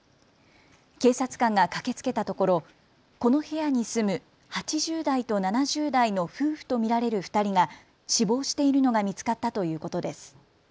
警察官が駆けつけたところこの部屋に住む８０代と７０代の夫婦と見られる２人が死亡しているのが見つかったということです。